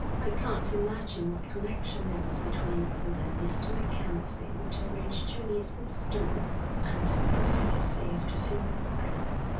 'I can't imagine what connection there is between whether Mr. MacKenzie would arrange Julia's footstool, and the profligacy of the female sex.'